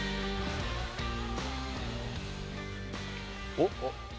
おっ！